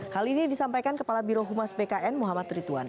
hal ini disampaikan kepala birohumas bkn muhammad rituan